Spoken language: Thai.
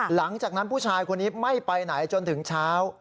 หลังจากนั้นผู้ชายคนนี้ไม่ไปไหนจนถึงเช้า